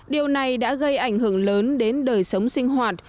điều này đã gây ảnh hưởng lớn đến đời sống sinh hoạt